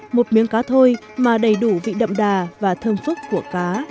một miếng cá thôi mà đầy đủ vị đậm đà và thơm phúc của cá